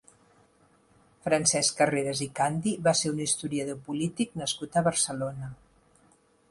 Francesc Carreras i Candi va ser un historiador i polític nascut a Barcelona.